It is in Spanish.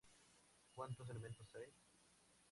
Cuantos elementos hay?